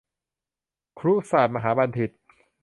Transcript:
คุรุศาสตรมหาบัณฑิต